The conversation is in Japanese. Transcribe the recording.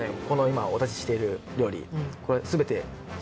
この今お出ししてる料理これすべて。